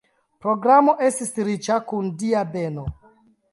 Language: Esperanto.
Programo estis riĉa kun Dia beno.